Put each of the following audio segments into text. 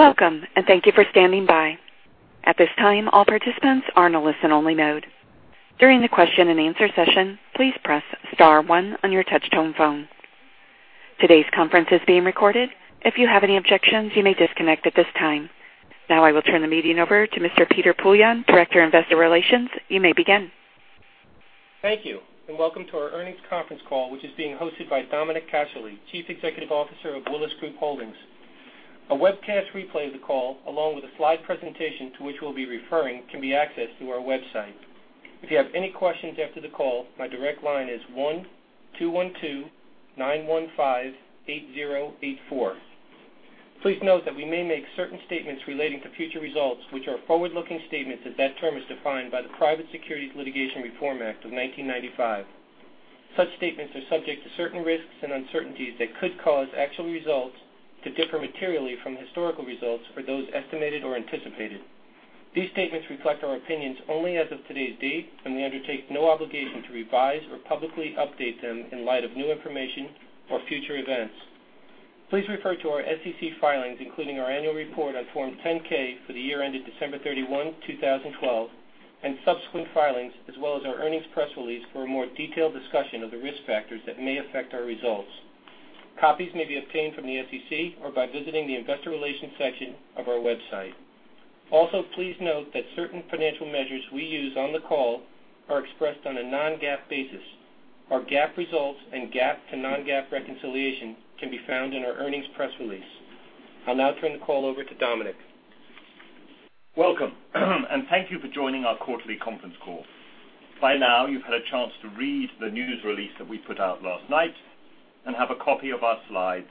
Welcome. Thank you for standing by. At this time, all participants are in a listen-only mode. During the question and answer session, please press star one on your touch-tone phone. Today's conference is being recorded. If you have any objections, you may disconnect at this time. Now, I will turn the meeting over to Mr. Peter Poillon, Director of Investor Relations. You may begin. Thank you. Welcome to our earnings conference call, which is being hosted by Dominic Casserley, Chief Executive Officer of Willis Group Holdings. A webcast replay of the call, along with a slide presentation to which we'll be referring, can be accessed through our website. If you have any questions after the call, my direct line is one two one two nine one five eight zero eight four. Please note that we may make certain statements relating to future results, which are forward-looking statements as that term is defined by the Private Securities Litigation Reform Act of 1995. Such statements are subject to certain risks and uncertainties that could cause actual results to differ materially from historical results or those estimated or anticipated. These statements reflect our opinions only as of today's date. We undertake no obligation to revise or publicly update them in light of new information or future events. Please refer to our SEC filings, including our annual report on Form 10-K for the year ended December 31, 2012, and subsequent filings, as well as our earnings press release for a more detailed discussion of the risk factors that may affect our results. Copies may be obtained from the SEC or by visiting the investor relations section of our website. Also, please note that certain financial measures we use on the call are expressed on a non-GAAP basis. Our GAAP results and GAAP to non-GAAP reconciliation can be found in our earnings press release. I'll now turn the call over to Dominic. Welcome. Thank you for joining our quarterly conference call. By now, you've had a chance to read the news release that we put out last night and have a copy of our slides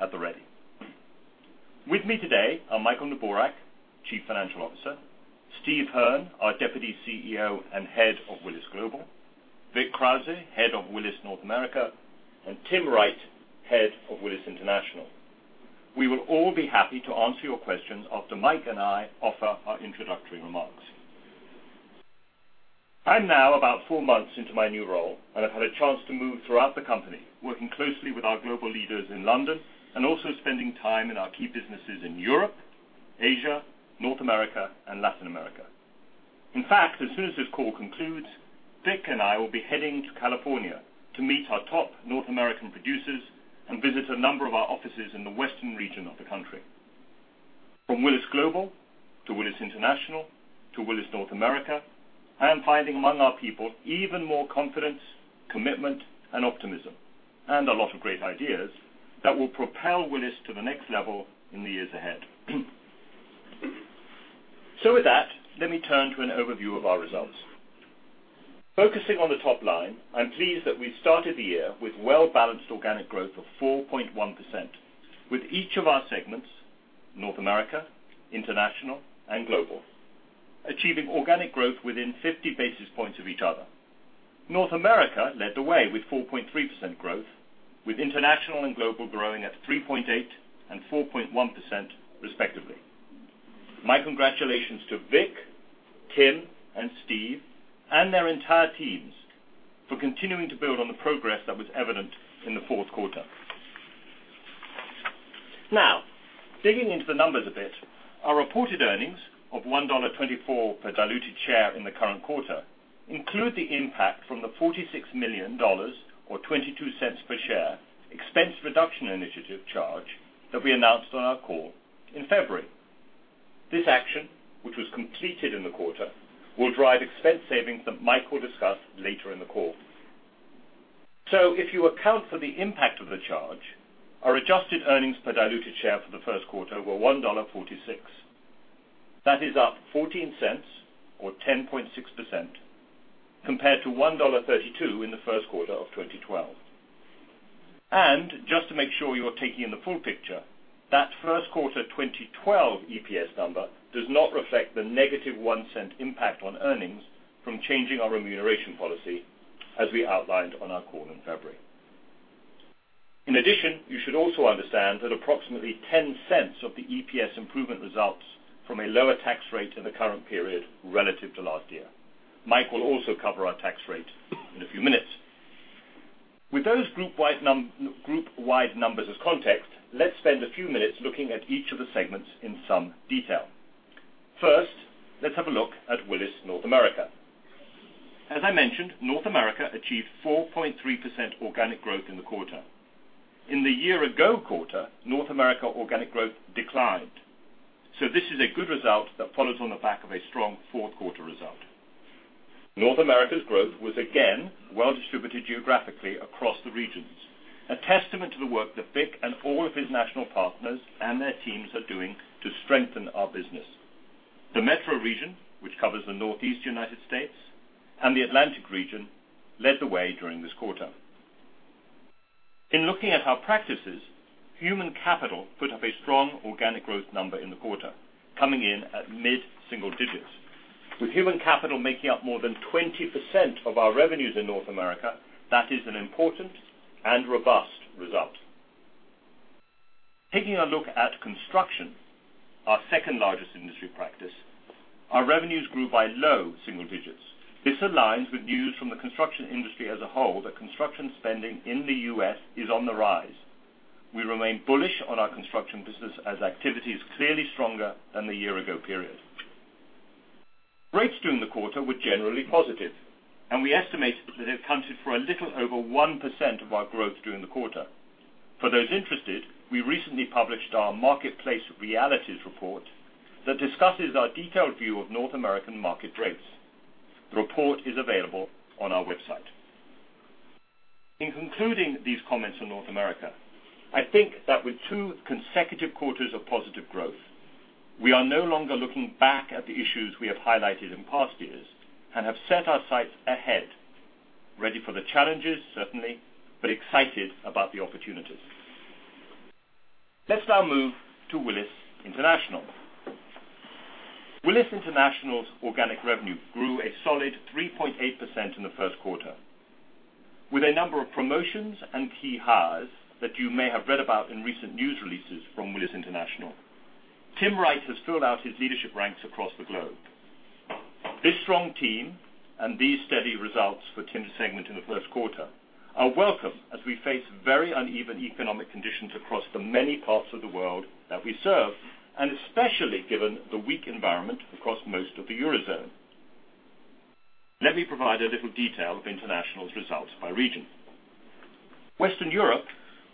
at the ready. With me today are Michael Neborak, Chief Financial Officer, Steve Hearn, our Deputy CEO and Head of Willis Global, Victor Krauze, Head of Willis North America, and Tim Wright, Head of Willis International. We will all be happy to answer your questions after Mike and I offer our introductory remarks. I'm now about four months into my new role, and I've had a chance to move throughout the company, working closely with our global leaders in London and also spending time in our key businesses in Europe, Asia, North America, and Latin America. In fact, as soon as this call concludes, Vic and I will be heading to California to meet our top North American producers and visit a number of our offices in the Western region of the country. From Willis Global to Willis International to Willis North America, I am finding among our people even more confidence, commitment, and optimism, and a lot of great ideas that will propel Willis to the next level in the years ahead. With that, let me turn to an overview of our results. Focusing on the top line, I'm pleased that we've started the year with well-balanced organic growth of 4.1% with each of our segments, North America, International, and Global, achieving organic growth within 50 basis points of each other. North America led the way with 4.3% growth, with International and Global growing at 3.8% and 4.1%, respectively. My congratulations to Vic, Tim, and Steve and their entire teams for continuing to build on the progress that was evident in the fourth quarter. Digging into the numbers a bit, our reported earnings of $1.24 per diluted share in the current quarter include the impact from the $46 million, or $0.22 per share, expense reduction initiative charge that we announced on our call in February. This action, which was completed in the quarter, will drive expense savings that Mike Neborak will discuss later in the call. If you account for the impact of the charge, our adjusted earnings per diluted share for the first quarter were $1.46. That is up $0.14 or 10.6% compared to $1.32 in the first quarter of 2012. Just to make sure you're taking in the full picture, that first quarter 2012 EPS number does not reflect the negative $0.01 impact on earnings from changing our remuneration policy as we outlined on our call in February. In addition, you should also understand that approximately $0.10 of the EPS improvement results from a lower tax rate in the current period relative to last year. Mike Neborak will also cover our tax rate in a few minutes. With those group-wide numbers as context, let's spend a few minutes looking at each of the segments in some detail. First, let's have a look at Willis North America. As I mentioned, North America achieved 4.3% organic growth in the quarter. In the year ago quarter, North America organic growth declined. This is a good result that follows on the back of a strong fourth quarter result. North America's growth was again well-distributed geographically across the regions, a testament to the work that Vic and all of his national partners and their teams are doing to strengthen our business. The metro region, which covers the Northeast U.S. and the Atlantic region, led the way during this quarter. In looking at our practices, human capital put up a strong organic growth number in the quarter, coming in at mid-single digits. With human capital making up more than 20% of our revenues in North America, that is an important and robust result. Taking a look at construction, our second largest industry practice. Our revenues grew by low single digits. This aligns with news from the construction industry as a whole, that construction spending in the U.S. is on the rise. We remain bullish on our construction business as activity is clearly stronger than the year ago period. Rates during the quarter were generally positive, and we estimate that it accounted for a little over 1% of our growth during the quarter. For those interested, we recently published our Marketplace Realities report that discusses our detailed view of North American market rates. The report is available on our website. In concluding these comments on North America, I think that with two consecutive quarters of positive growth, we are no longer looking back at the issues we have highlighted in past years and have set our sights ahead. Ready for the challenges, certainly, but excited about the opportunities. Let's now move to Willis International. Willis International's organic revenue grew a solid 3.8% in the first quarter. With a number of promotions and key hires that you may have read about in recent news releases from Willis International, Tim Wright has filled out his leadership ranks across the globe. This strong team and these steady results for Tim's segment in the first quarter are welcome as we face very uneven economic conditions across the many parts of the world that we serve, and especially given the weak environment across most of the Eurozone. Let me provide a little detail of International's results by region. Western Europe,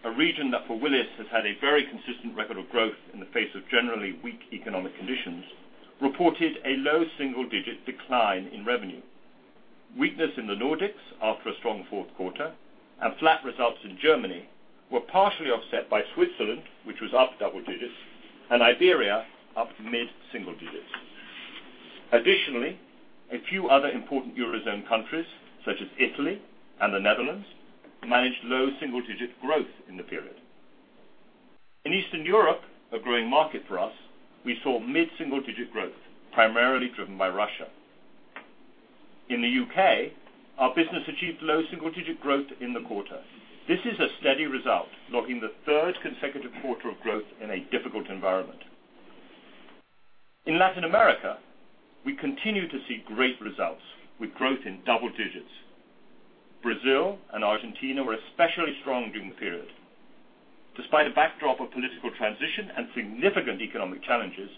a region that for Willis has had a very consistent record of growth in the face of generally weak economic conditions, reported a low single-digit decline in revenue. Weakness in the Nordics after a strong fourth quarter and flat results in Germany were partially offset by Switzerland, which was up double digits, and Iberia, up mid-single digits. Additionally, a few other important Eurozone countries, such as Italy and the Netherlands, managed low single-digit growth in the period. In Eastern Europe, a growing market for us, we saw mid-single-digit growth, primarily driven by Russia. In the U.K., our business achieved low single-digit growth in the quarter. This is a steady result, marking the third consecutive quarter of growth in a difficult environment. In Latin America, we continue to see great results, with growth in double digits. Brazil and Argentina were especially strong during the period. Despite a backdrop of political transition and significant economic challenges,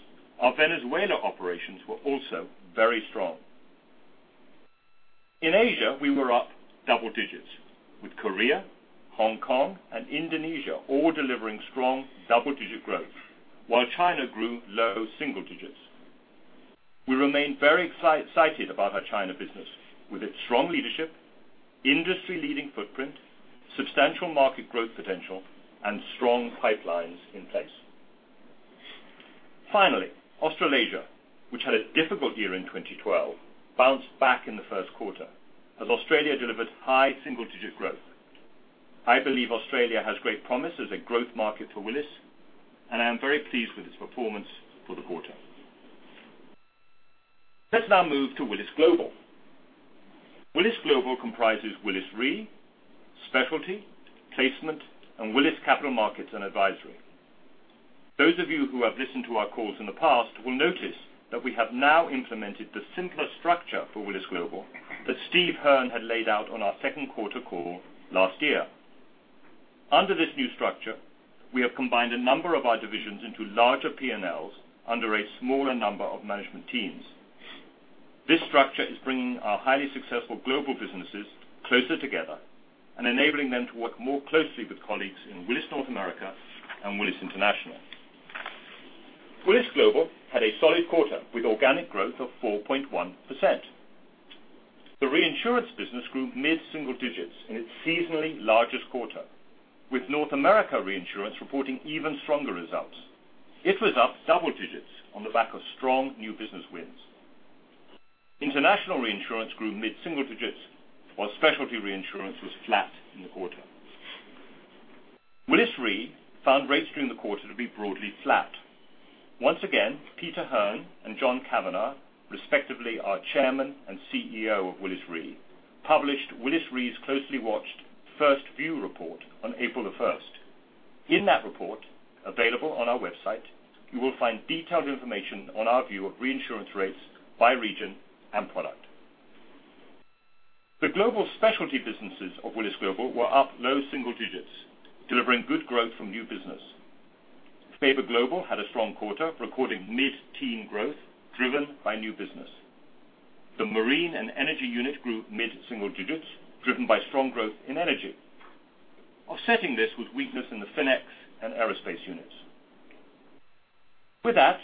our Venezuela operations were also very strong. In Asia, we were up double digits, with Korea, Hong Kong, and Indonesia all delivering strong double-digit growth, while China grew low single digits. We remain very excited about our China business, with its strong leadership, industry-leading footprint, substantial market growth potential, and strong pipelines in place. Finally, Australasia, which had a difficult year in 2012, bounced back in the first quarter as Australia delivered high double-digit growth. I believe Australia has great promise as a growth market for Willis, and I am very pleased with its performance for the quarter. Let's now move to Willis Global. Willis Global comprises Willis Re, Specialty, Placement, and Willis Capital Markets & Advisory. Those of you who have listened to our calls in the past will notice that we have now implemented the simpler structure for Willis Global that Steve Hearn had laid out on our second quarter call last year. Under this new structure, we have combined a number of our divisions into larger P&Ls under a smaller number of management teams. This structure is bringing our highly successful global businesses closer together and enabling them to work more closely with colleagues in Willis North America and Willis International. Willis Global had a solid quarter with organic growth of 4.1%. The reinsurance business grew mid-single digits in its seasonally largest quarter, with North America Reinsurance reporting even stronger results. It was up double digits on the back of strong new business wins. International reinsurance grew mid-single digits, while specialty reinsurance was flat in the quarter. Willis Re found rates during the quarter to be broadly flat. Once again, Peter Hearn and John Cavanagh, respectively our Chairman and CEO of Willis Re, published Willis Re's closely watched 1st View report on April the 1st. In that report, available on our website, you will find detailed information on our view of reinsurance rates by region and product. The global specialty businesses of Willis Global were up low single digits, delivering good growth from new business. Faber Global had a strong quarter, recording mid-teen growth driven by new business. The marine and energy unit grew mid-single digits, driven by strong growth in energy. Offsetting this was weakness in the FINEX and aerospace units. With that,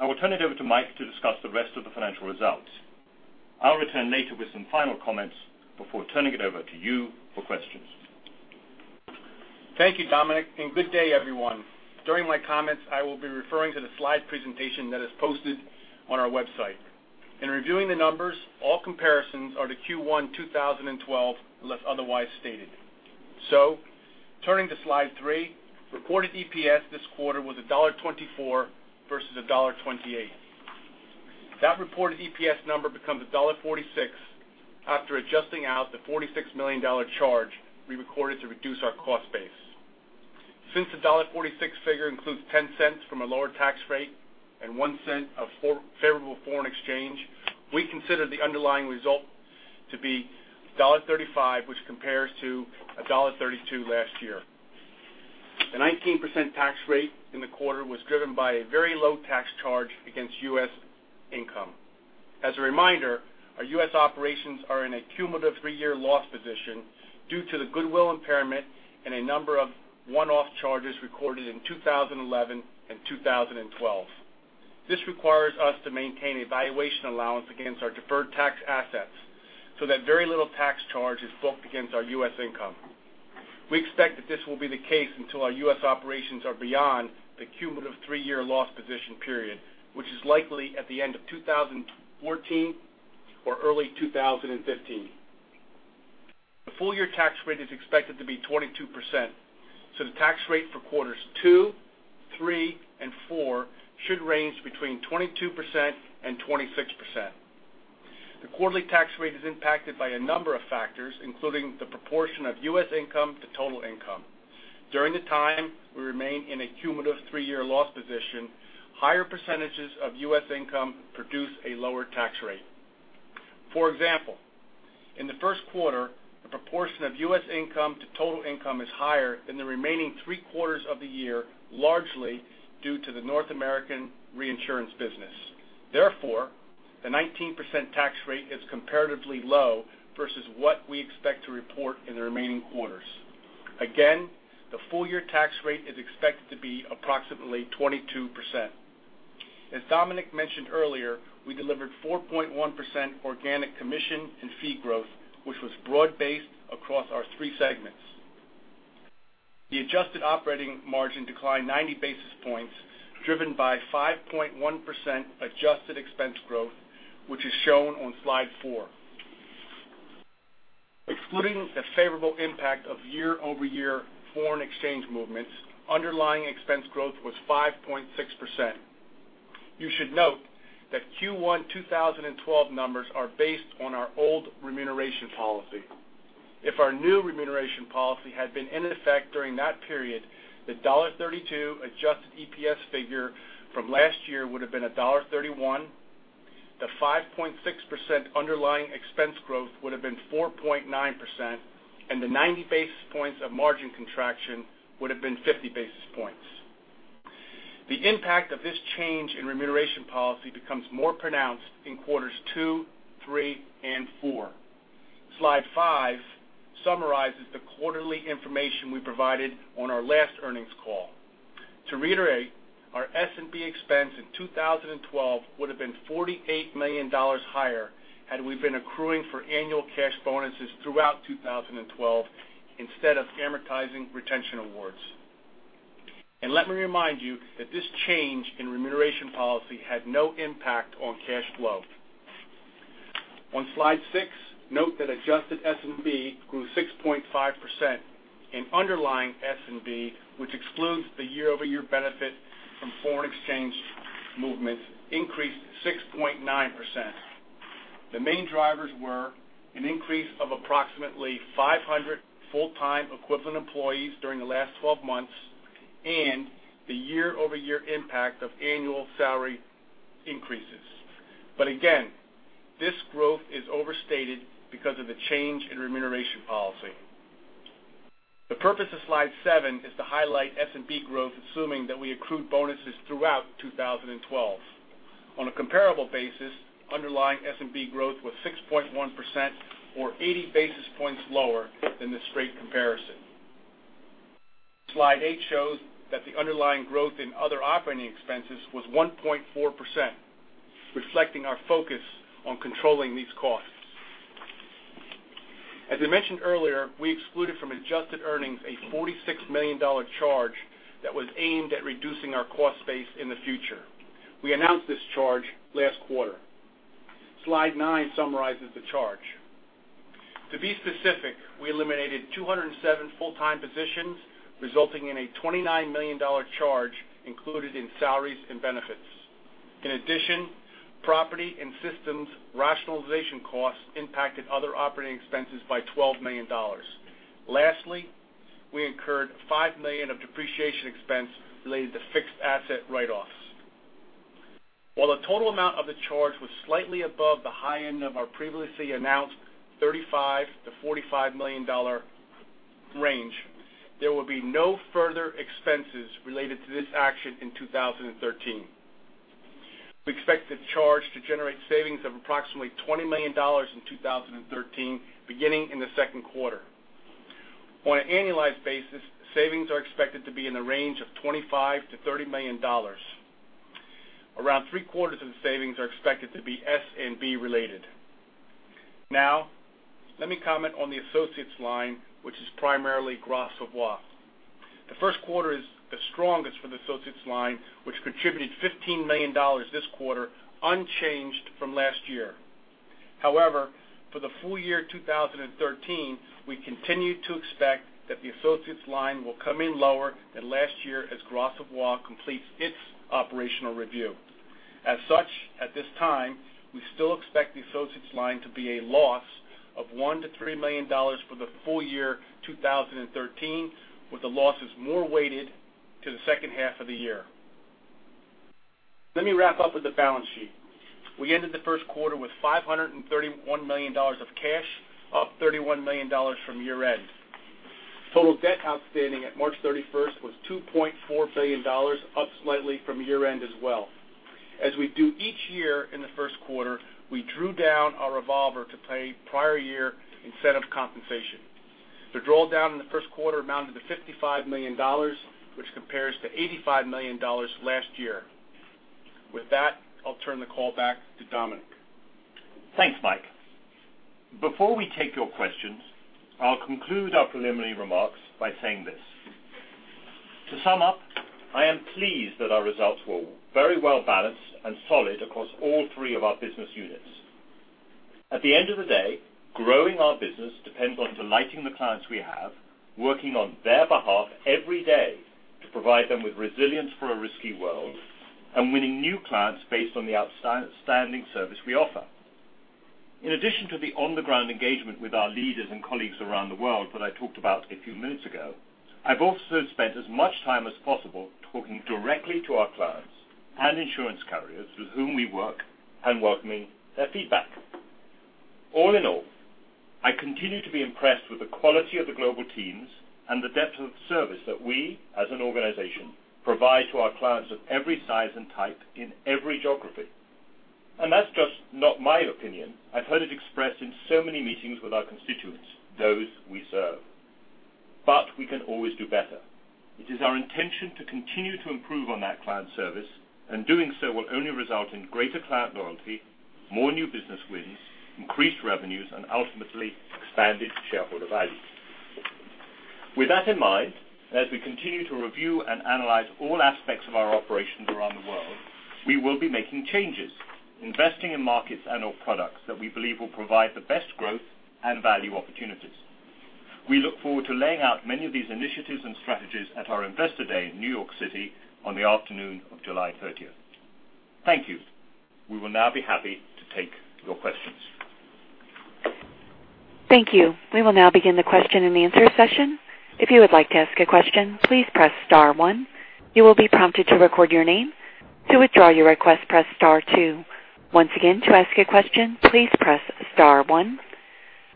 I will turn it over to Mike to discuss the rest of the financial results. I'll return later with some final comments before turning it over to you for questions. Thank you, Dominic, and good day, everyone. During my comments, I will be referring to the slide presentation that is posted on our website. In reviewing the numbers, all comparisons are to Q1 2012, unless otherwise stated. Turning to Slide three, reported EPS this quarter was $1.24 versus $1.28. That reported EPS number becomes $1.46 after adjusting out the $46 million charge we recorded to reduce our cost base. Since the $1.46 figure includes $0.10 from a lower tax rate and $0.01 of favorable foreign exchange, we consider the underlying result to be $1.35, which compares to $1.32 last year. The 19% tax rate in the quarter was driven by a very low tax charge against U.S. income. As a reminder, our U.S. operations are in a cumulative three-year loss position due to the goodwill impairment and a number of one-off charges recorded in 2011 and 2012. This requires us to maintain a valuation allowance against our deferred tax assets that very little tax charge is booked against our U.S. income. We expect that this will be the case until our U.S. operations are beyond the cumulative three-year loss position period, which is likely at the end of 2014 or early 2015. The full-year tax rate is expected to be 22%, the tax rate for quarters two, three, and four should range between 22%-26%. The quarterly tax rate is impacted by a number of factors, including the proportion of U.S. income to total income. During the time we remain in a cumulative three-year loss position, higher percentages of U.S. income produce a lower tax rate. For example, in the first quarter, the proportion of U.S. income to total income is higher than the remaining three quarters of the year, largely due to the North American reinsurance business. Therefore, the 19% tax rate is comparatively low versus what we expect to report in the remaining quarters. Again, the full-year tax rate is expected to be approximately 22%. As Dominic mentioned earlier, we delivered 4.1% organic commission and fee growth, which was broad-based across our three segments. The adjusted operating margin declined 90 basis points, driven by 5.1% adjusted expense growth, which is shown on slide four. Excluding the favorable impact of year-over-year foreign exchange movements, underlying expense growth was 5.6%. You should note that Q1 2012 numbers are based on our old remuneration policy. If our new remuneration policy had been in effect during that period, the $1.32 adjusted EPS figure from last year would have been $1.31, the 5.6% underlying expense growth would have been 4.9%, and the 90 basis points of margin contraction would have been 50 basis points. The impact of this change in remuneration policy becomes more pronounced in quarters two, three, and four. Slide five summarizes the quarterly information we provided on our last earnings call. To reiterate, our S&B expense in 2012 would have been $48 million higher had we been accruing for annual cash bonuses throughout 2012 instead of amortizing retention awards. Let me remind you that this change in remuneration policy had no impact on cash flow. On slide six, note that adjusted S&B grew 6.5% in underlying S&B, which excludes the year-over-year benefit from foreign exchange movements increased 6.9%. Again, this growth is overstated because of the change in remuneration policy. The purpose of slide seven is to highlight S&B growth, assuming that we accrued bonuses throughout 2012. On a comparable basis, underlying S&B growth was 6.1%, or 80 basis points lower than the straight comparison. Slide eight shows that the underlying growth in other operating expenses was 1.4%, reflecting our focus on controlling these costs. As I mentioned earlier, we excluded from adjusted earnings a $46 million charge that was aimed at reducing our cost base in the future. We announced this charge last quarter. Slide nine summarizes the charge. To be specific, we eliminated 207 full-time positions, resulting in a $29 million charge included in Salaries and Benefits. In addition, property and systems rationalization costs impacted other operating expenses by $12 million. Lastly, we incurred $5 million of depreciation expense related to fixed asset write-offs. While the total amount of the charge was slightly above the high end of our previously announced $35 million-$45 million range, there will be no further expenses related to this action in 2013. We expect the charge to generate savings of approximately $20 million in 2013, beginning in the second quarter. On an annualized basis, savings are expected to be in the range of $25 million-$30 million. Around three-quarters of the savings are expected to be S&B related. Now, let me comment on the associates line, which is primarily Gras Savoye. The first quarter is the strongest for the associates line, which contributed $15 million this quarter, unchanged from last year. For the full year 2013, we continue to expect that the associates line will come in lower than last year as Gras Savoye completes its operational review. As such, at this time, we still expect the associates line to be a loss of $1 million to $3 million for the full year 2013, with the losses more weighted to the second half of the year. Let me wrap up with the balance sheet. We ended the first quarter with $531 million of cash, up $31 million from year-end. Total debt outstanding at March 31st was $2.4 billion, up slightly from year-end as well. As we do each year in the first quarter, we drew down our revolver to pay prior year incentive compensation. The draw down in the first quarter amounted to $55 million, which compares to $85 million last year. With that, I'll turn the call back to Dominic. Thanks, Mike. Before we take your questions, I'll conclude our preliminary remarks by saying this. To sum up, I am pleased that our results were very well balanced and solid across all three of our business units. At the end of the day, growing our business depends on delighting the clients we have, working on their behalf every day to provide them with resilience for a risky world, and winning new clients based on the outstanding service we offer. In addition to the on-the-ground engagement with our leaders and colleagues around the world that I talked about a few minutes ago, I've also spent as much time as possible talking directly to our clients and insurance carriers with whom we work and welcoming their feedback. All in all, I continue to be impressed with the quality of the global teams and the depth of service that we, as an organization, provide to our clients of every size and type in every geography. That's just not my opinion. I've heard it expressed in so many meetings with our constituents, those we serve. We can always do better. It is our intention to continue to improve on that client service, and doing so will only result in greater client loyalty, more new business wins, increased revenues, and ultimately expanded shareholder value. With that in mind, as we continue to review and analyze all aspects of our operations around the world, we will be making changes, investing in markets and/or products that we believe will provide the best growth and value opportunities. We look forward to laying out many of these initiatives and strategies at our Investor Day in New York City on the afternoon of July 30th. Thank you. We will now be happy to take your questions. Thank you. We will now begin the question and answer session. If you would like to ask a question, please press star one. You will be prompted to record your name. To withdraw your request, press star two. Once again, to ask a question, please press star one.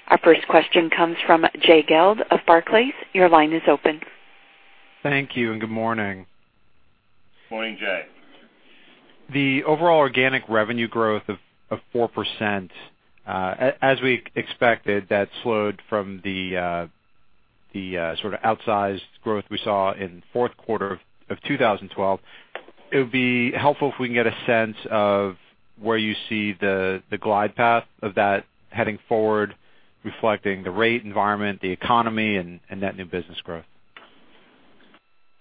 Our first question comes from Jay Gelb of Barclays. Your line is open. Thank you and good morning. Morning, Jay. The overall organic revenue growth of 4%, as we expected, that slowed from the outsized growth we saw in fourth quarter of 2012. It would be helpful if we can get a sense of where you see the glide path of that heading forward, reflecting the rate environment, the economy, and net new business growth.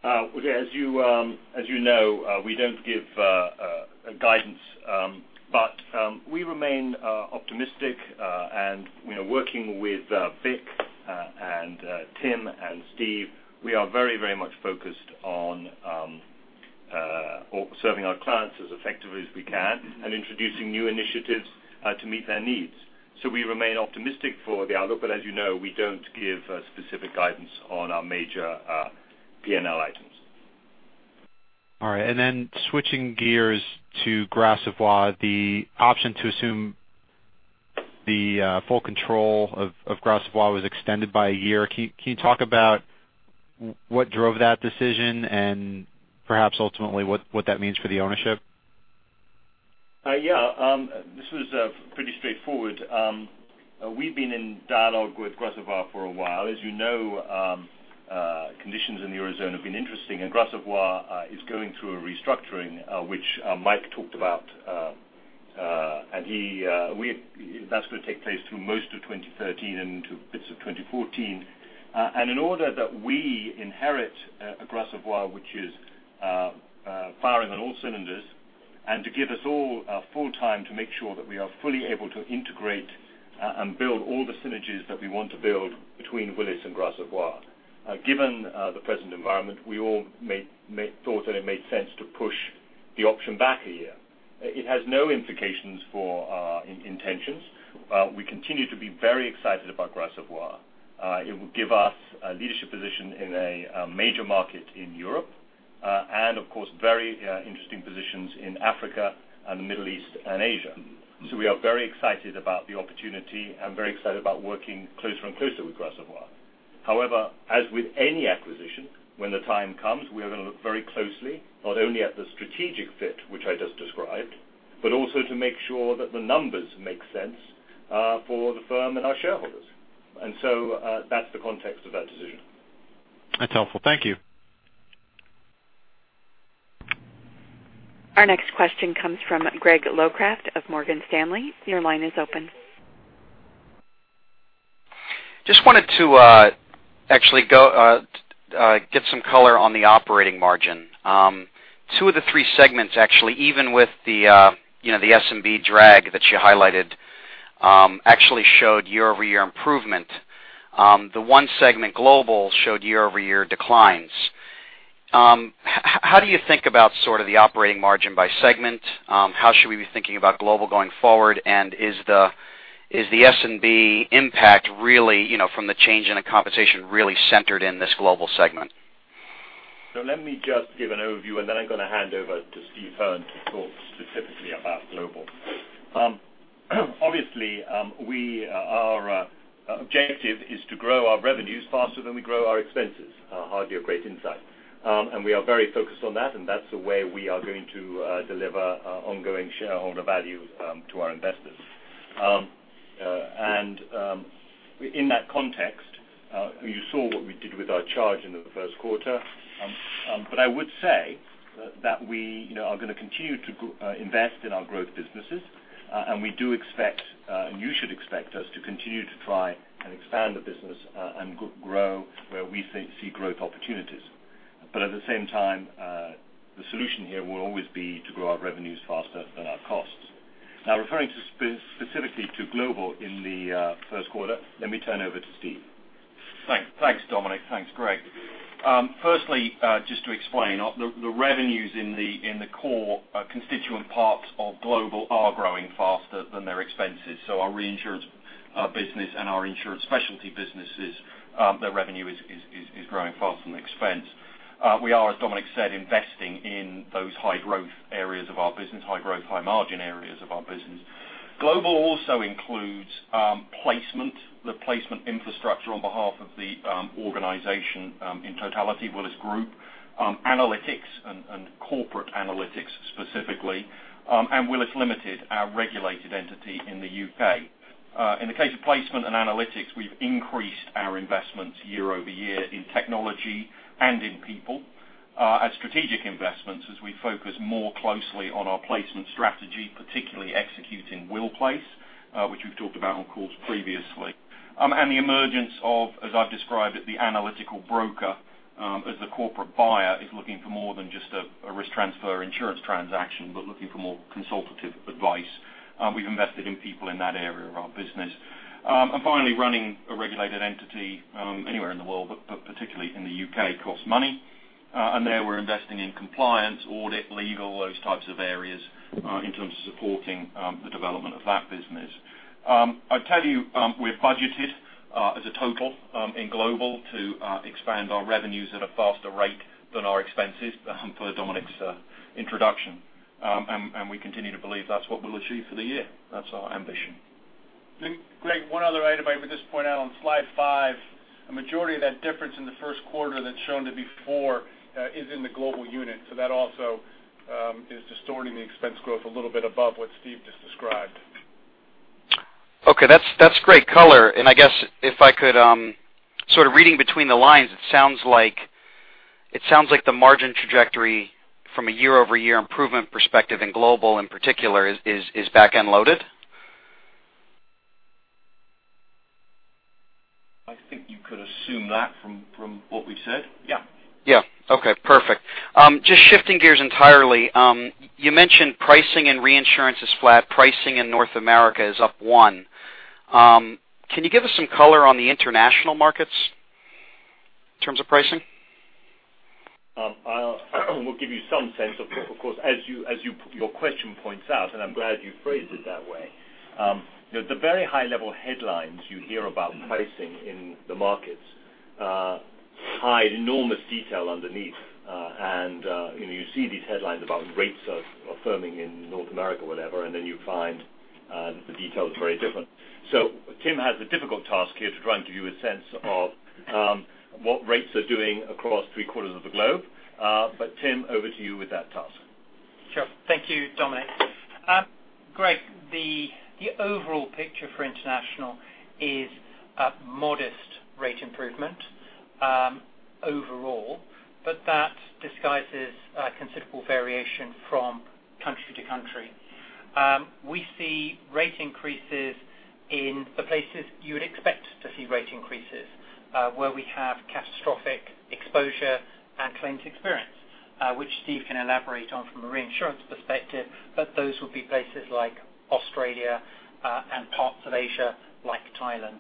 As you know, we don't give guidance, but we remain optimistic and working with Vic and Tim and Steve, we are very much focused on serving our clients as effectively as we can and introducing new initiatives to meet their needs. We remain optimistic for the outlook, but as you know, we don't give specific guidance on our major P&L items. All right. Switching gears to Gras Savoye, the option to assume the full control of Gras Savoye was extended by a year. Can you talk about what drove that decision and perhaps ultimately what that means for the ownership? Yeah. This was pretty straightforward. We've been in dialogue with Gras Savoye for a while. As you know, conditions in the Eurozone have been interesting, and Gras Savoye is going through a restructuring, which Mike talked about. That's going to take place through most of 2013 and into bits of 2014. In order that we inherit a Gras Savoye which is firing on all cylinders and to give us all full time to make sure that we are fully able to integrate and build all the synergies that we want to build between Willis and Gras Savoye. Given the present environment, we all thought that it made sense to push the option back a year. It has no implications for our intentions. We continue to be very excited about Gras Savoye. It will give us a leadership position in a major market in Europe, and of course, very interesting positions in Africa and the Middle East and Asia. We are very excited about the opportunity and very excited about working closer and closer with Gras Savoye. However, as with any acquisition, when the time comes, we are going to look very closely, not only at the strategic fit, which I just described, but also to make sure that the numbers make sense for the firm and our shareholders. That's the context of that decision. That's helpful. Thank you. Our next question comes from Greg Locraft of Morgan Stanley. Your line is open. Just wanted to actually get some color on the operating margin. Two of the three segments, actually, even with the SMB drag that you highlighted Actually showed year-over-year improvement. The one segment Global showed year-over-year declines. How do you think about the operating margin by segment? How should we be thinking about Global going forward? Is the S&B impact really from the change in the compensation really centered in this Global segment? Let me just give an overview, then I'm going to hand over to Steve Hearn to talk specifically about Global. Obviously, our objective is to grow our revenues faster than we grow our expenses. Hardly a great insight. We are very focused on that, and that's the way we are going to deliver ongoing shareholder value to our investors. In that context, you saw what we did with our charge in the first quarter. I would say that we are going to continue to invest in our growth businesses, and we do expect, you should expect us to continue to try and expand the business and grow where we see growth opportunities. At the same time, the solution here will always be to grow our revenues faster than our costs. Referring specifically to Global in the first quarter, let me turn over to Steve. Thanks, Dominic. Thanks, Greg. Firstly, just to explain, the revenues in the core constituent parts of Global are growing faster than their expenses. Our reinsurance business and our insurance specialty businesses, their revenue is growing faster than expense. We are, as Dominic said, investing in those high growth areas of our business, high growth, high margin areas of our business. Global also includes placement, the placement infrastructure on behalf of the organization in totality, Willis Group, analytics, and corporate analytics specifically, and Willis Limited, our regulated entity in the U.K. In the case of placement and analytics, we've increased our investments year-over-year in technology and in people as strategic investments as we focus more closely on our placement strategy, particularly executing WillPLACE, which we've talked about on calls previously. The emergence of, as I've described it, the analytical broker as the corporate buyer is looking for more than just a risk transfer insurance transaction, but looking for more consultative advice. We've invested in people in that area of our business. Finally, running a regulated entity anywhere in the world, but particularly in the U.K., costs money. There we're investing in compliance, audit, legal, those types of areas in terms of supporting the development of that business. I tell you, we have budgeted as a total in Global to expand our revenues at a faster rate than our expenses, per Dominic's introduction. We continue to believe that's what we'll achieve for the year. That's our ambition. Greg, one other item I would just point out on slide five, a majority of that difference in the first quarter that's shown to be four is in the Global unit. That also is distorting the expense growth a little bit above what Steve just described. Okay. That's great color. I guess if I could, sort of reading between the lines, it sounds like the margin trajectory from a year-over-year improvement perspective in Global, in particular, is back-end loaded. I think you could assume that from what we said. Yeah. Yeah. Okay, perfect. Just shifting gears entirely. You mentioned pricing and reinsurance is flat. Pricing in North America is up one. Can you give us some color on the international markets in terms of pricing? I will give you some sense, of course, as your question points out. I'm glad you phrased it that way. The very high level headlines you hear about pricing in the markets hide enormous detail underneath. You see these headlines about rates are firming in North America, whatever, and then you find the detail is very different. Tim has the difficult task here to try and give you a sense of what rates are doing across three quarters of the globe. Tim, over to you with that task. Sure. Thank you, Dominic. Greg, the overall picture for Willis International is a modest rate improvement overall. That disguises a considerable variation from country to country. We see rate increases in the places you would expect to see rate increases where we have catastrophic exposure and claims experience, which Steve can elaborate on from a reinsurance perspective. Those would be places like Australia, and parts of Asia, like Thailand.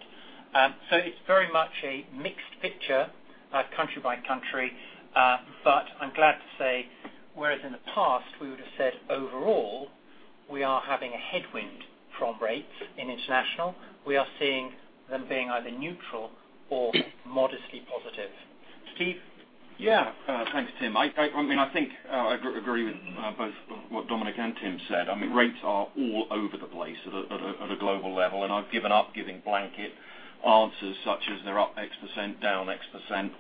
It's very much a mixed picture country by country. I'm glad to say, whereas in the past we would have said overall, we are having a headwind from rates in Willis International. We are seeing them being either neutral or modestly positive. Steve? Thanks, Tim. I think I agree with both what Dominic and Tim said. I mean, rates are all over the place at a global level. I've given up giving blanket answers such as they're up X%, down X%,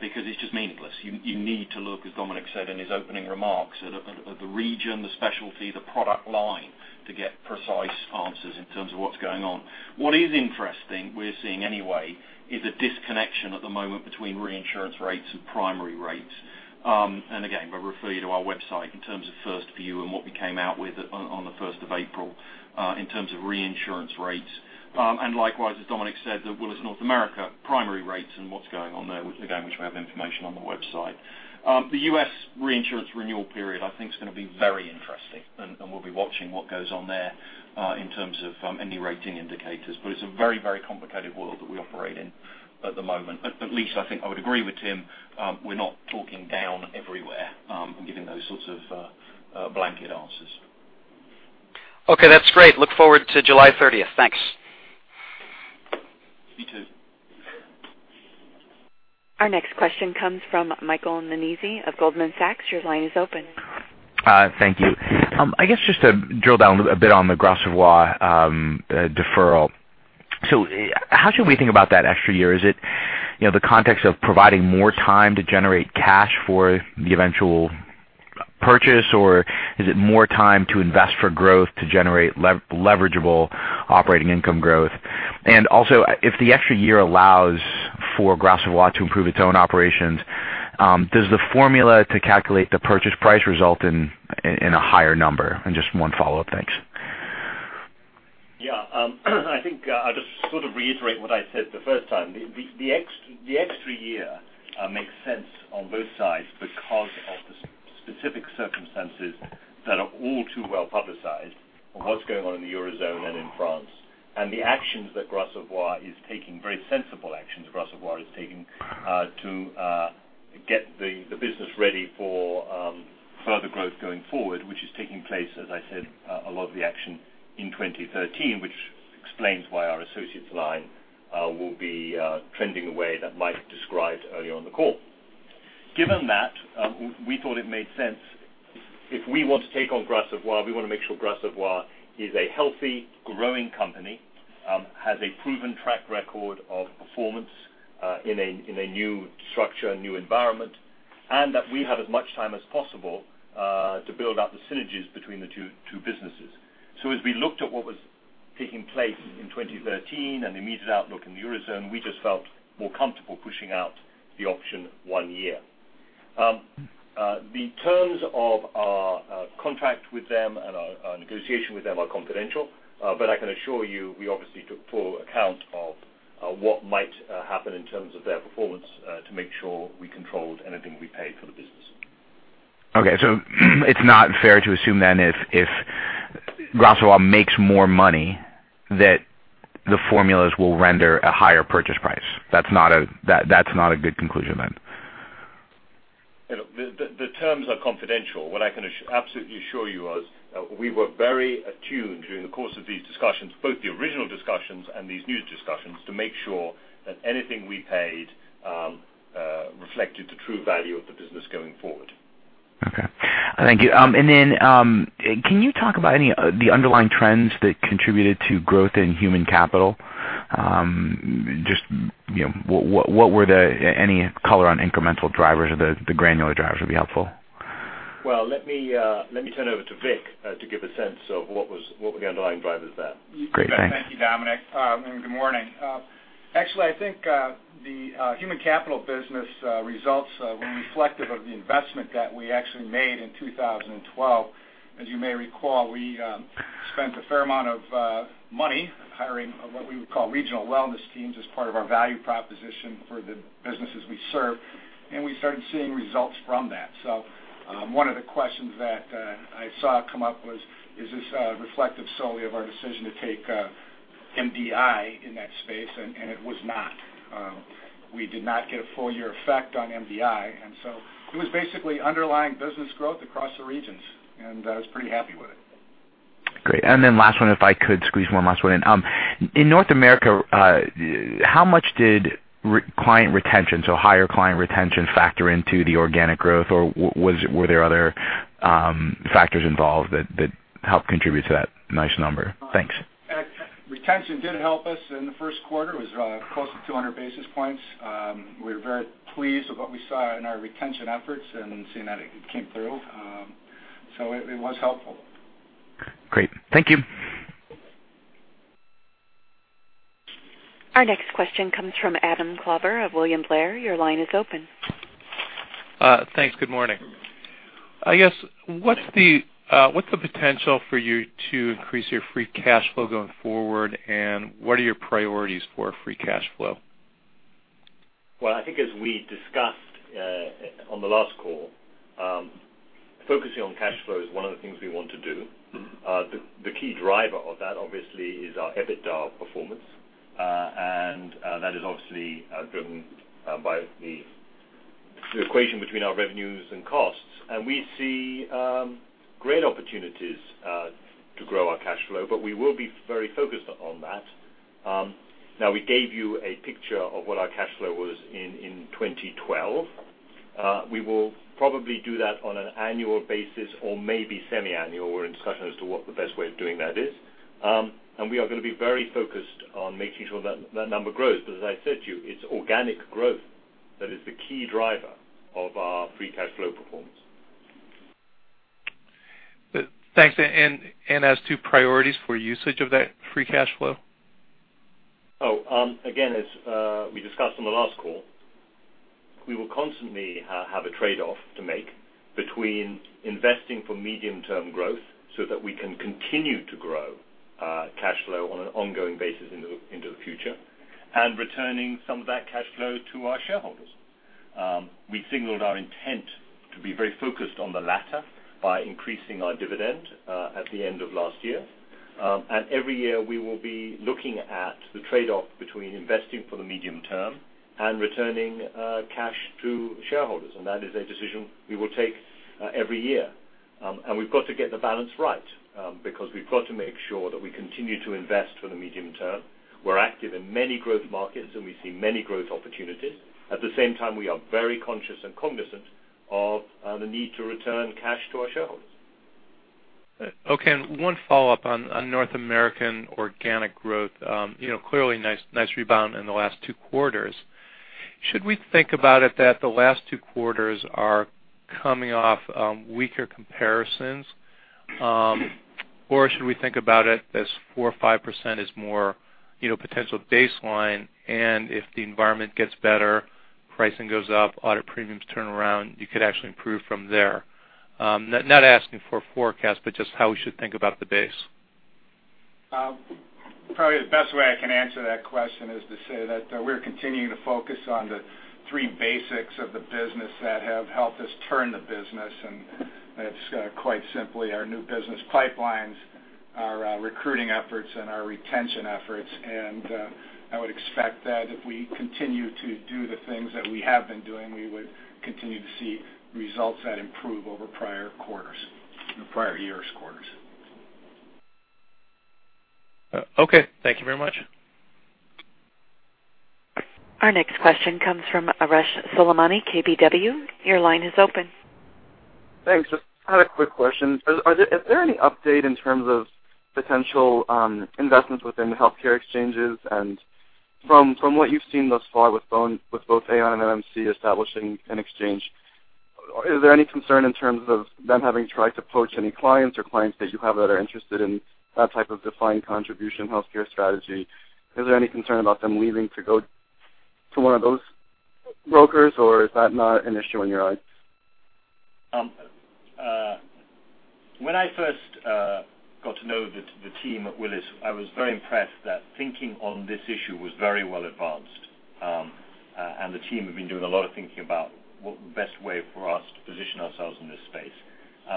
because it's just meaningless. You need to look, as Dominic said in his opening remarks, at the region, the specialty, the product line to get precise answers in terms of what's going on. What is interesting, we're seeing anyway, is a disconnection at the moment between reinsurance rates and primary rates. Again, I refer you to our website in terms of 1st View and what we came out with on the 1st of April in terms of reinsurance rates Likewise, as Dominic said, that Willis North America primary rates and what's going on there, again, which we have information on the website. The U.S. reinsurance renewal period, I think, is going to be very interesting. We'll be watching what goes on there in terms of any rating indicators. It's a very complicated world that we operate in at the moment. At least I think I would agree with Tim, we're not talking down everywhere, giving those sorts of blanket answers. Okay, that's great. Look forward to July 30th. Thanks. Me too. Our next question comes from Michael Nannizzi of Goldman Sachs. Your line is open. Thank you. I guess just to drill down a bit on the Gras Savoye deferral. How should we think about that extra year? Is it the context of providing more time to generate cash for the eventual purchase, or is it more time to invest for growth to generate leverageable operating income growth? Also, if the extra year allows for Gras Savoye to improve its own operations, does the formula to calculate the purchase price result in a higher number? Just one follow-up. Thanks. I think I'll just sort of reiterate what I said the first time. The extra year makes sense on both sides because of the specific circumstances that are all too well-publicized on what's going on in the Eurozone and in France, and the actions that Gras Savoye is taking, very sensible actions Gras Savoye is taking to get the business ready for further growth going forward, which is taking place, as I said, a lot of the action in 2013, which explains why our associates line will be trending the way that Mike described earlier on the call. Given that, we thought it made sense if we want to take on Gras Savoye, we want to make sure Gras Savoye is a healthy, growing company, has a proven track record of performance in a new structure, a new environment, and that we have as much time as possible to build out the synergies between the two businesses. As we looked at what was taking place in 2013 and the immediate outlook in the Eurozone, we just felt more comfortable pushing out the option one year. The terms of our contract with them and our negotiation with them are confidential. I can assure you, we obviously took full account of what might happen in terms of their performance to make sure we controlled anything we paid for the business. It's not fair to assume then if Gras Savoye makes more money, that the formulas will render a higher purchase price. That's not a good conclusion then. The terms are confidential. What I can absolutely assure you is we were very attuned during the course of these discussions, both the original discussions and these new discussions, to make sure that anything we paid reflected the true value of the business going forward. Okay. Thank you. Can you talk about any of the underlying trends that contributed to growth in human capital? Just any color on incremental drivers or the granular drivers would be helpful. Well, let me turn over to Vic to give a sense of what were the underlying drivers there. Great. Thanks. Thank you, Dominic. Good morning. Actually, I think the human capital business results were reflective of the investment that we actually made in 2012. As you may recall, we spent a fair amount of money hiring what we would call regional wellness teams as part of our value proposition for the businesses we serve. We started seeing results from that. One of the questions that I saw come up was, is this reflective solely of our decision to take MDI in that space? It was not. We did not get a full year effect on MDI. It was basically underlying business growth across the regions, and I was pretty happy with it. Great. Last one, if I could squeeze one last one in. In North America, how much did client retention, so higher client retention factor into the organic growth, or were there other factors involved that helped contribute to that nice number? Thanks. Retention did help us in the first quarter. It was close to 200 basis points. We were very pleased with what we saw in our retention efforts and seeing that it came through. It was helpful. Great. Thank you. Our next question comes from Adam Klauber of William Blair. Your line is open. Thanks. Good morning. I guess, what's the potential for you to increase your free cash flow going forward, and what are your priorities for free cash flow? Well, I think as we discussed on the last call, focusing on cash flow is one of the things we want to do. The key driver of that obviously is our EBITDA performance. That is obviously driven by the equation between our revenues and costs. We see great opportunities to grow our cash flow, but we will be very focused on that. Now, we gave you a picture of what our cash flow was in 2012. We will probably do that on an annual basis or maybe semi-annual. We're in discussion as to what the best way of doing that is. We are going to be very focused on making sure that that number grows. As I said to you, it's organic growth that is the key driver of our free cash flow performance. Thanks. As to priorities for usage of that free cash flow? Oh, again, as we discussed on the last call. We will constantly have a trade-off to make between investing for medium-term growth so that we can continue to grow cash flow on an ongoing basis into the future and returning some of that cash flow to our shareholders. We signaled our intent to be very focused on the latter by increasing our dividend at the end of last year. Every year, we will be looking at the trade-off between investing for the medium term and returning cash to shareholders. That is a decision we will take every year. We've got to get the balance right because we've got to make sure that we continue to invest for the medium term. We're active in many growth markets, and we see many growth opportunities. At the same time, we are very conscious and cognizant of the need to return cash to our shareholders. Okay. One follow-up on North American organic growth. Clearly, nice rebound in the last two quarters. Should we think about it that the last two quarters are coming off weaker comparisons? Or should we think about it as 4% or 5% is more potential baseline, and if the environment gets better, pricing goes up, audit premiums turn around, you could actually improve from there? Not asking for a forecast, but just how we should think about the base. Probably the best way I can answer that question is to say that we're continuing to focus on the three basics of the business that have helped us turn the business, and it's quite simply our new business pipelines, our recruiting efforts, and our retention efforts. I would expect that if we continue to do the things that we have been doing, we would continue to see results that improve over prior years' quarters. Okay. Thank you very much. Our next question comes from Arash Soleimani, KBW. Your line is open. Thanks. Just had a quick question. Is there any update in terms of potential investments within the healthcare exchanges? From what you've seen thus far with both Aon and MMC establishing an exchange, is there any concern in terms of them having tried to poach any clients or clients that you have that are interested in that type of defined contribution healthcare strategy? Is there any concern about them leaving to go to one of those brokers, or is that not an issue in your eyes? When I first got to know the team at Willis, I was very impressed that thinking on this issue was very well advanced. The team have been doing a lot of thinking about what the best way for us to position ourselves in this space.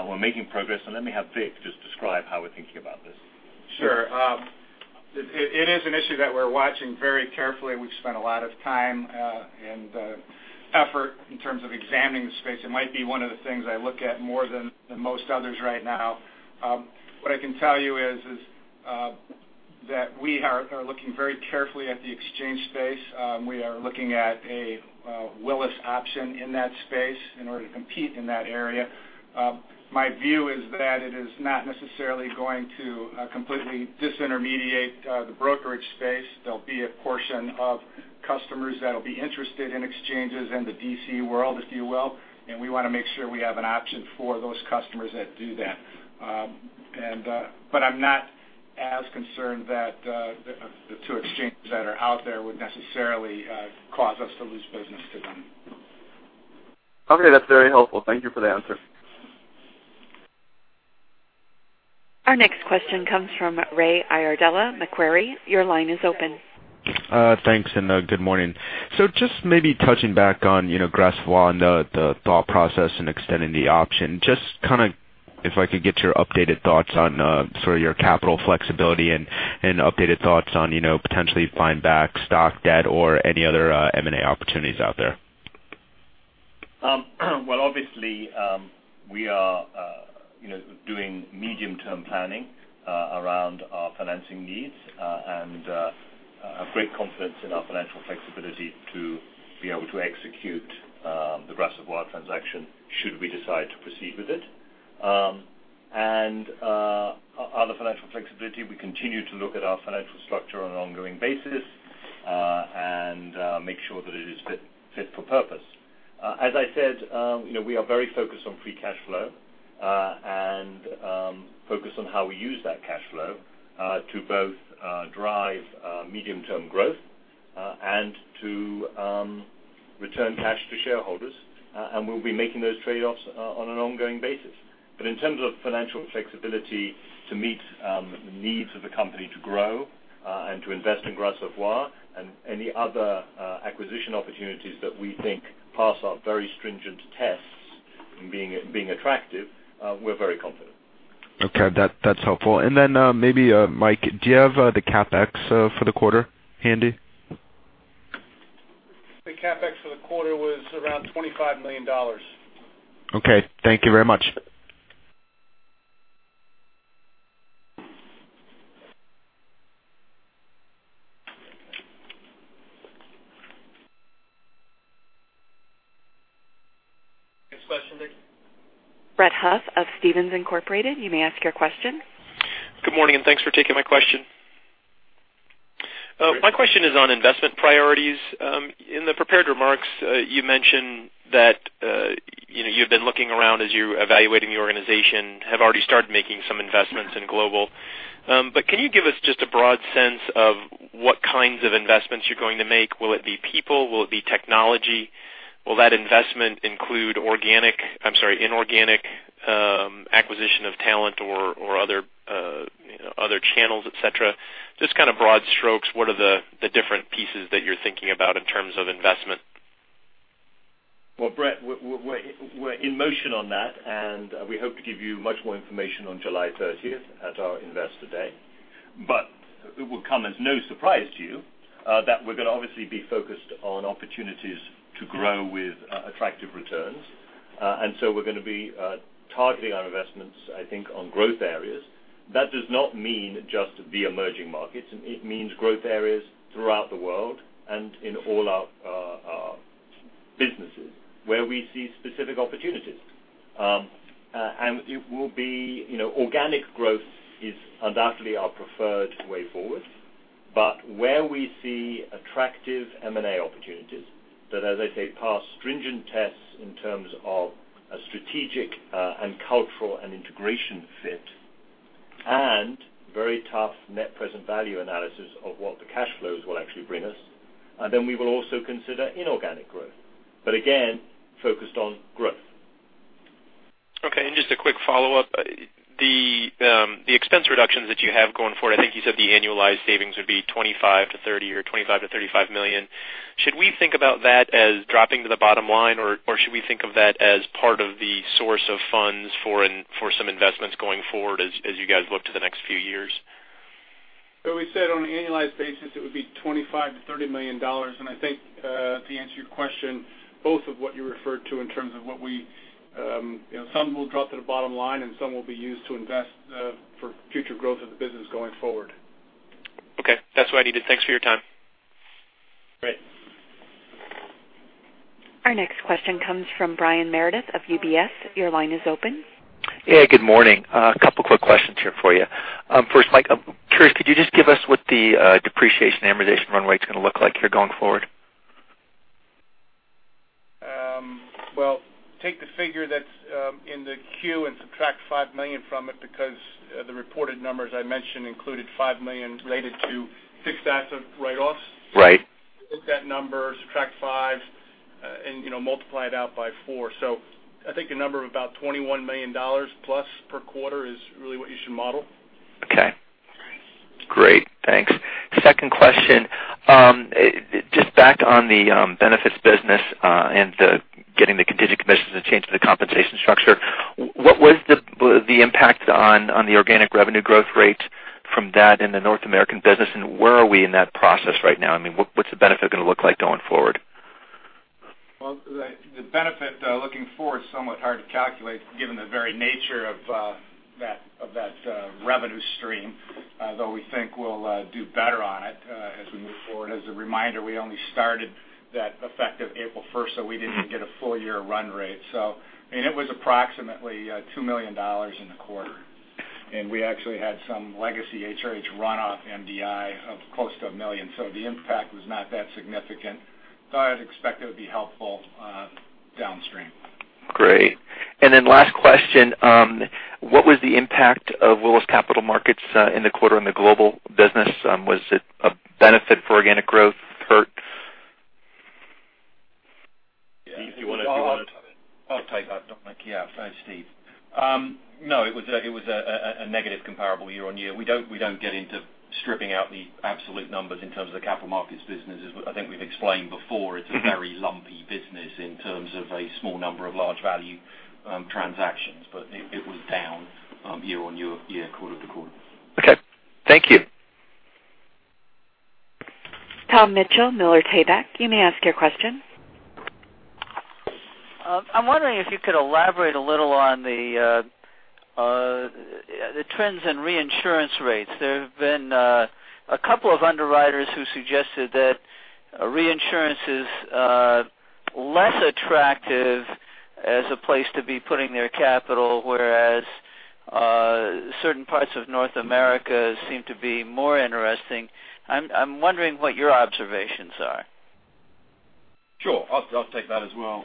We're making progress, let me have Vic just describe how we're thinking about this. Sure. It is an issue that we're watching very carefully. We've spent a lot of time and effort in terms of examining the space. It might be one of the things I look at more than most others right now. What I can tell you is that we are looking very carefully at the exchange space. We are looking at a Willis option in that space in order to compete in that area. My view is that it is not necessarily going to completely disintermediate the brokerage space. There'll be a portion of customers that'll be interested in exchanges in the DC world, if you will, we want to make sure we have an option for those customers that do that. I'm not as concerned that the two exchanges that are out there would necessarily cause us to lose business to them. Okay. That's very helpful. Thank you for the answer. Our next question comes from Ray Iardella, Macquarie. Your line is open. Thanks, and good morning. Just maybe touching back on Gras Savoye, the thought process in extending the option. Just if I could get your updated thoughts on sort of your capital flexibility and updated thoughts on potentially buying back stock, debt, or any other M&A opportunities out there. Well, obviously, we are doing medium-term planning around our financing needs and have great confidence in our financial flexibility to be able to execute the Gras Savoye transaction should we decide to proceed with it. On the financial flexibility, we continue to look at our financial structure on an ongoing basis and make sure that it is fit for purpose. As I said, we are very focused on free cash flow and focused on how we use that cash flow to both drive medium-term growth and to return cash to shareholders. We'll be making those trade-offs on an ongoing basis. In terms of financial flexibility to meet the needs of the company to grow and to invest in Gras Savoye and any other acquisition opportunities that we think pass our very stringent tests in being attractive, we're very confident. Okay. That's helpful. Maybe, Mike, do you have the CapEx for the quarter handy? The CapEx for the quarter was around $25 million. Okay. Thank you very much. Next question, Nikki. Brett Huff of Stephens Inc. You may ask your question. Good morning, and thanks for taking my question. My question is on investment priorities. In the prepared remarks, you mentioned that you've been looking around as you're evaluating the organization, have already started making some investments in Global. Can you give us just a broad sense of what kinds of investments you're going to make? Will it be people? Will it be technology? Will that investment include organic, inorganic acquisition of talent or other channels, et cetera? Just broad strokes, what are the different pieces that you're thinking about in terms of investment? Brett, we're in motion on that, and we hope to give you much more information on July 30th at our Investor Day. It will come as no surprise to you that we're going to obviously be focused on opportunities to grow with attractive returns. We're going to be targeting our investments, I think, on growth areas. That does not mean just the emerging markets. It means growth areas throughout the world and in all our businesses where we see specific opportunities. Organic growth is undoubtedly our preferred way forward, but where we see attractive M&A opportunities that, as I say, pass stringent tests in terms of a strategic and cultural and integration fit and very tough net present value analysis of what the cash flows will actually bring us, then we will also consider inorganic growth. Again, focused on growth. Just a quick follow-up. The expense reductions that you have going forward, I think you said the annualized savings would be $25 million-$30 million or $25 million-$35 million. Should we think about that as dropping to the bottom line, or should we think of that as part of the source of funds for some investments going forward as you guys look to the next few years? We said on an annualized basis, it would be $25 million-$30 million. I think to answer your question, both of what you referred to in terms of Some will drop to the bottom line, and some will be used to invest for future growth of the business going forward. Okay. That's what I needed. Thanks for your time. Great. Our next question comes from Brian Meredith of UBS. Your line is open. Yeah, good morning. A couple quick questions here for you. First, Mike, I'm curious, could you just give us what the depreciation amortization runway is going to look like here going forward? Well, take the figure that's in the Q and subtract $5 million from it because the reported numbers I mentioned included $5 million related to fixed asset write-offs. Right. Take that number, subtract five, and multiply it out by four. I think a number of about $21 million plus per quarter is really what you should model. Okay. Great. Thanks. Second question, just back on the benefits business and getting the contingent commissions and change to the compensation structure. What was the impact on the organic revenue growth rate from that in the Willis North America business, and where are we in that process right now? What's the benefit going to look like going forward? Well, the benefit looking forward is somewhat hard to calculate given the very nature of that revenue stream, although we think we'll do better on it as we move forward. As a reminder, we only started that effective April 1st, we didn't even get a full year run rate. It was approximately $2 million in the quarter. We actually had some legacy HRH runoff MDI of close to $1 million. The impact was not that significant, though I'd expect it would be helpful downstream. Great. Last question, what was the impact of Willis Capital Markets in the quarter on the global business? Was it a benefit for organic growth? Hurt? Do you want to I'll take that. Okay. Yeah. Go ahead, Steve. No, it was a negative comparable year-on-year. We don't get into stripping out the absolute numbers in terms of the capital markets business. As I think we've explained before, it's a very lumpy business in terms of a small number of large value transactions, but it was down year-on-year, quarter-to-quarter. Okay. Thank you. Tom Mitchell, Miller Tabak, you may ask your question. I'm wondering if you could elaborate a little on the trends in reinsurance rates. There have been a couple of underwriters who suggested that reinsurance is less attractive as a place to be putting their capital, whereas certain parts of North America seem to be more interesting. I'm wondering what your observations are. Sure. I'll take that as well.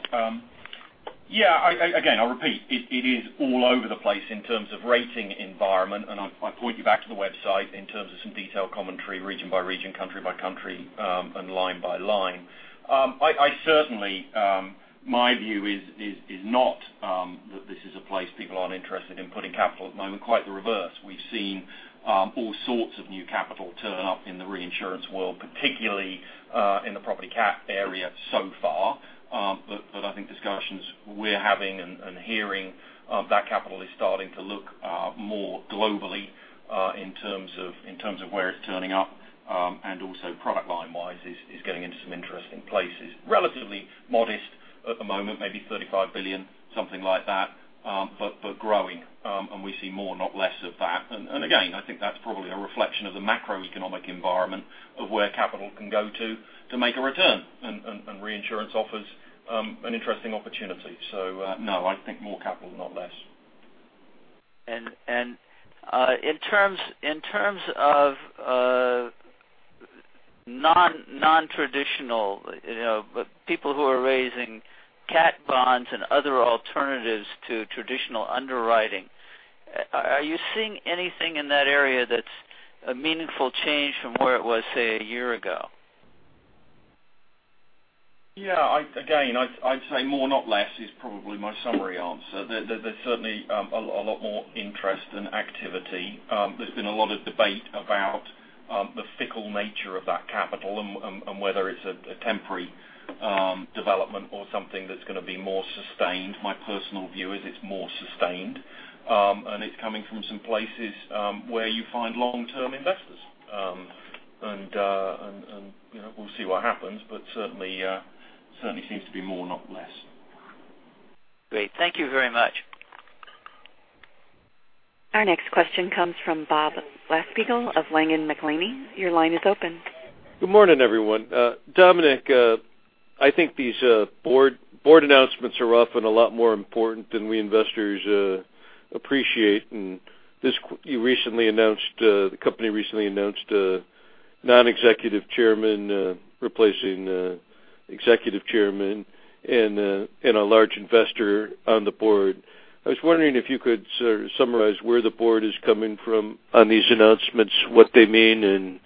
Yeah, again, I'll repeat, it is all over the place in terms of rating environment. I point you back to the website in terms of some detailed commentary, region by region, country by country, and line by line. Certainly, my view is not that this is a place people aren't interested in putting capital at the moment. Quite the reverse. We've seen all sorts of new capital turn up in the reinsurance world, particularly in the property cat area so far. I think discussions we're having and hearing, that capital is starting to look more globally in terms of where it's turning up, and also product line-wise is getting into some interesting places. Relatively modest at the moment, maybe $35 billion, something like that, but growing. We see more, not less of that. Again, I think that's probably a reflection of the macroeconomic environment of where capital can go to make a return, and reinsurance offers an interesting opportunity. No, I think more capital, not less. In terms of non-traditional people who are raising cat bonds and other alternatives to traditional underwriting, are you seeing anything in that area that's a meaningful change from where it was, say, a year ago? Yeah. Again, I'd say more, not less, is probably my summary answer. There's certainly a lot more interest and activity. There's been a lot of debate about the fickle nature of that capital and whether it's a temporary development or something that's going to be more sustained. My personal view is it's more sustained, and it's coming from some places where you find long-term investors. We'll see what happens, but certainly seems to be more, not less. Great. Thank you very much. Our next question comes from Bob Glasspiegel of Langen McAlenney. Your line is open. Good morning, everyone. Dominic, I think these board announcements are often a lot more important than we investors appreciate. The company recently announced a non-executive chairman replacing executive chairman and a large investor on the board. I was wondering if you could summarize where the board is coming from on these announcements, what they mean, and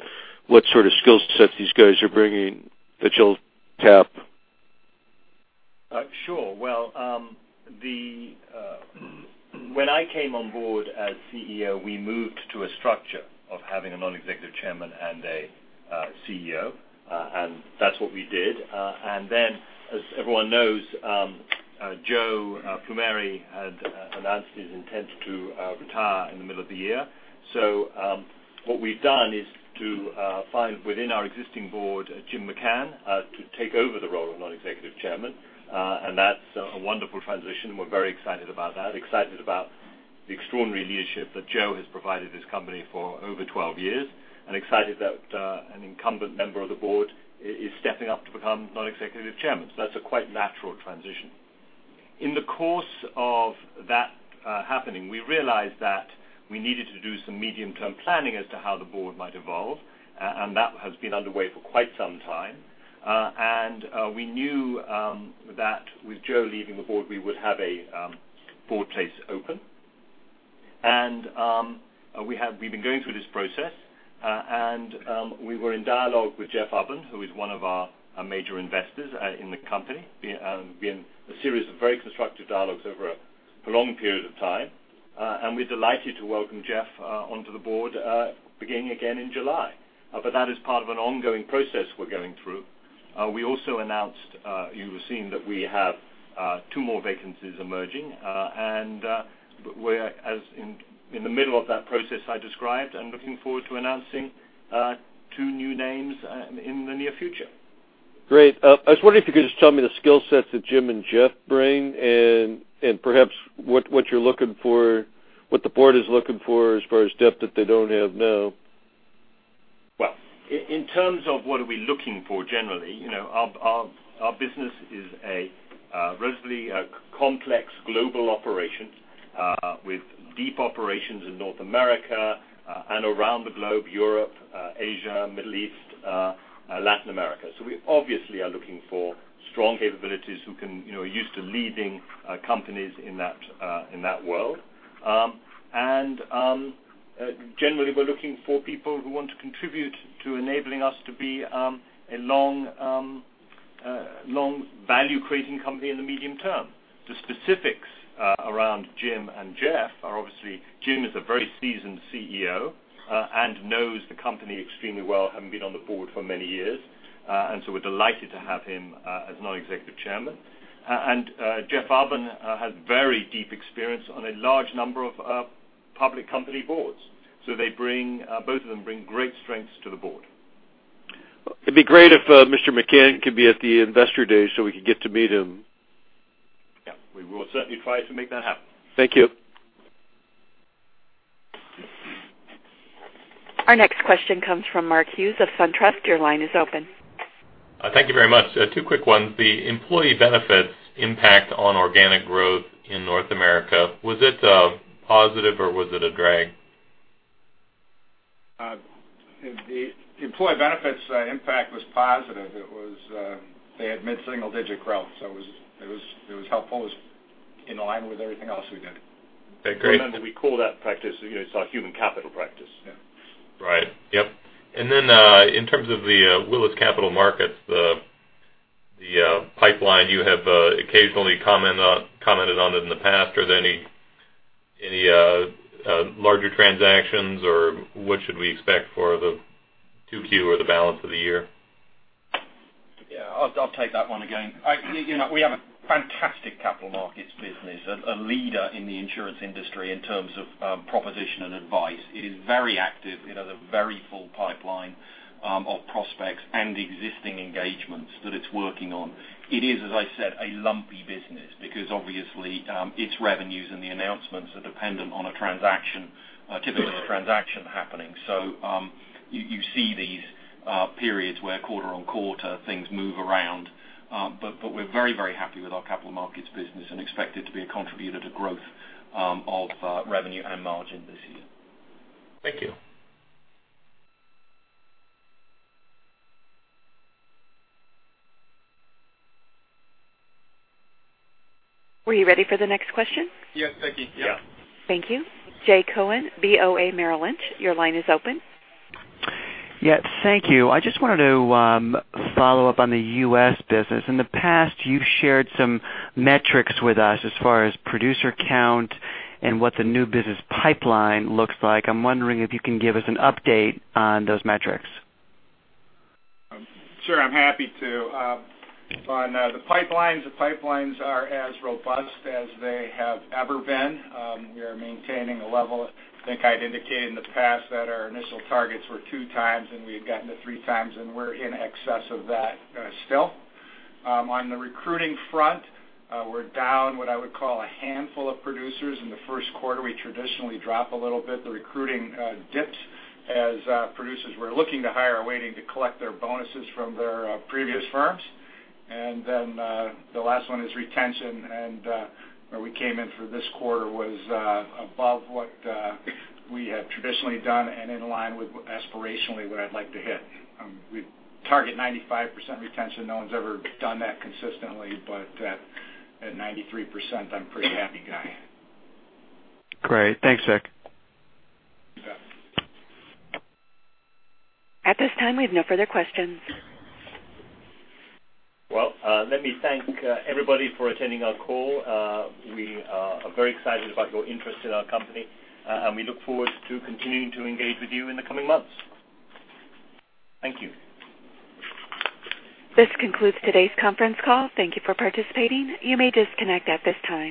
what sort of skill sets these guys are bringing that you'll tap. Sure. Well, when I came on board as CEO, we moved to a structure of having a non-executive chairman and a CEO, and that's what we did. Then, as everyone knows, Joe Plumeri had announced his intent to retire in the middle of the year. What we've done is to find within our existing board, Jim McCann to take over the role of non-executive chairman. That's a wonderful transition. We're very excited about that, excited about the extraordinary leadership that Joe has provided this company for over 12 years, excited that an incumbent member of the board is stepping up to become non-executive chairman. That's a quite natural transition. In the course of that happening, we realized that we needed to do some medium-term planning as to how the board might evolve, that has been underway for quite some time. We knew that with Joe leaving the board, we would have a board place open. We've been going through this process, and we were in dialogue with Jeff Ubben, who is one of our major investors in the company, we've been in a series of very constructive dialogues over a prolonged period of time. We're delighted to welcome Jeff onto the board beginning again in July. That is part of an ongoing process we're going through. We also announced, you will have seen that we have two more vacancies emerging, we're in the middle of that process I described and looking forward to announcing two new names in the near future. Great. I was wondering if you could just tell me the skill sets that Jim McCann and Jeff Ubben bring and perhaps what the board is looking for as far as depth that they don't have now. Well, in terms of what are we looking for, generally, our business is a reasonably complex global operation with deep operations in Willis North America and around the globe, Europe, Asia, Middle East, Latin America. We obviously are looking for strong capabilities who are used to leading companies in that world. Generally, we're looking for people who want to contribute to enabling us to be a long value creating company in the medium term. The specifics around Jim McCann and Jeff Ubben are obviously Jim McCann is a very seasoned CEO and knows the company extremely well, having been on the board for many years. We're delighted to have him as Non-Executive Chairman. Jeff Ubben has very deep experience on a large number of public company boards. Both of them bring great strengths to the board. It'd be great if Mr. McCann could be at the investor day so we could get to meet him. Yeah. We will certainly try to make that happen. Thank you. Our next question comes from Mark Hughes of SunTrust. Your line is open. Thank you very much. Two quick ones. The employee benefits impact on organic growth in North America, was it a positive or was it a drag? The employee benefits impact was positive. They had mid-single digit growth. It was helpful. It was in line with everything else we did. Okay, great. Remember, we call that practice our human capital practice. Right. Yep. Then in terms of the Willis Capital Markets, the pipeline you have occasionally commented on it in the past. Are there any larger transactions, or what should we expect for the 2Q or the balance of the year? Yeah, I'll take that one again. We have a fantastic Capital Markets business, a leader in the insurance industry in terms of proposition and advice. It is very active. It has a very full pipeline of prospects and existing engagements that it's working on. It is, as I said, a lumpy business because obviously its revenues and the announcements are dependent on a transaction. Typically a transaction happening. You see these periods where quarter-on-quarter things move around. We're very happy with our Capital Markets business and expect it to be a contributor to growth of revenue and margin this year. Thank you. Were you ready for the next question? Yes, thank you. Yeah. Thank you. Jay Cohen, BofA Merrill Lynch, your line is open. Yes, thank you. I just wanted to follow up on the U.S. business. In the past, you've shared some metrics with us as far as producer count and what the new business pipeline looks like. I'm wondering if you can give us an update on those metrics. Sure, I'm happy to. On the pipelines, the pipelines are as robust as they have ever been. We are maintaining a level. I think I'd indicated in the past that our initial targets were 2 times and we had gotten to 3 times, and we're in excess of that still. On the recruiting front, we're down what I would call a handful of producers in the first quarter. We traditionally drop a little bit. The recruiting dips as producers were looking to hire, waiting to collect their bonuses from their previous firms. Then, the last one is retention. Where we came in for this quarter was above what we had traditionally done and in line with aspirationally what I'd like to hit. We target 95% retention. No one's ever done that consistently, but at 93%, I'm a pretty happy guy. Great. Thanks, Vic. Yeah. At this time, we have no further questions. Well, let me thank everybody for attending our call. We are very excited about your interest in our company, and we look forward to continuing to engage with you in the coming months. Thank you. This concludes today's conference call. Thank you for participating. You may disconnect at this time.